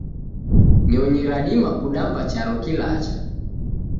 Nyonyi radima kudamba charo kilacha